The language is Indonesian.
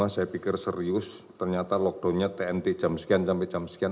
saya pikir serius ternyata lockdownnya tnt jam sekian sampai jam sekian